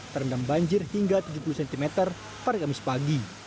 terendam banjir hingga tujuh puluh cm pada kamis pagi